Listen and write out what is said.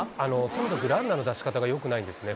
とにかくランナーの出し方がよくないんですね。